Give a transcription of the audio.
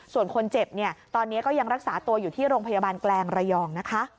ส่วนคนเจ็บเนี่ยตอนนี้ก็ยังรักษาตัวอยู่ที่โรงพยาบาลแกลงระยองนะคะ